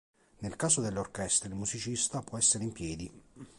Nel caso delle orchestre il musicista può essere in piedi.